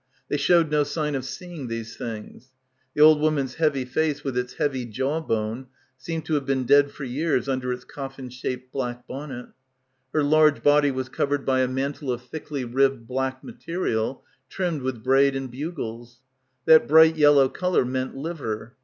They showed no sign of seeing these things. The old woman's heavy — 125 — PILGRIMAGE face with its heavy jaw bone seemed to have been dead for years under its coffin shaped black bonnet. Her large body was covered by a mantle of thickly ribbed black material trimmed with braid and bugles. That bright yellow colour meant liver.